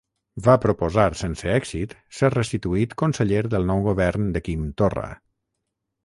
Va proposar sense èxit ser restituït conseller del nou govern de Quim Torra.